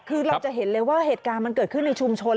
คือเราจะเห็นเลยว่าเหตุการณ์มันเกิดขึ้นในชุมชน